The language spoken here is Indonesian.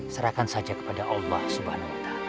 serahkan saja kepada allah swt